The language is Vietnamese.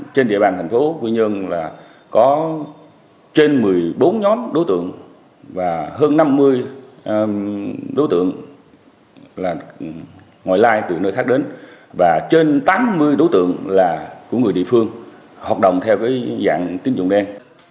trên một mươi bốn nhóm đối tượng và hơn năm mươi đối tượng là ngoài lai từ nơi khác đến và trên tám mươi đối tượng là của người địa phương hoạt động theo dạng tín dụng đen